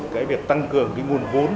cái việc tăng cường cái nguồn vốn